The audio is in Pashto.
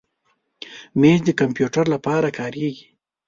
مېز د کمپیوټر لپاره کارېږي.